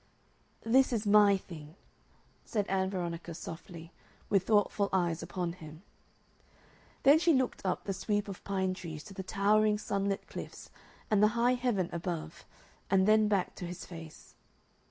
"This is MY thing," said Ann Veronica, softly, with thoughtful eyes upon him. Then she looked up the sweep of pine trees to the towering sunlit cliffs and the high heaven above and then back to his face.